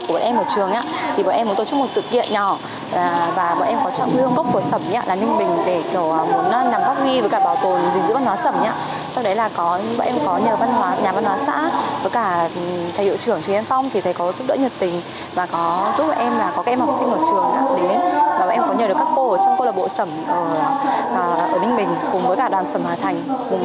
và em có nhờ được các cô ở trong câu lạc bộ sầm ở ninh mình cùng với cả đoàn sầm hà thành cùng với các bọn em mặc tạo chương trình này